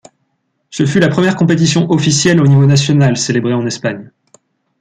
Ce fut la première compétition officielle au niveau national célébrée en Espagne.